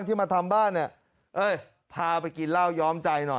ที่มาทำบ้านเนี่ยเอ้ยพาไปกินเหล้าย้อมใจหน่อย